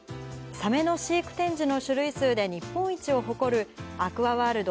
サメの飼育展示の種類数で日本一を誇る、アクアワールド